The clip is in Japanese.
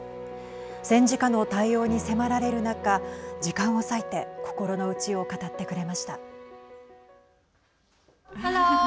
戦時下の対応に迫られる中時間を割いて心の内を語ってくれました。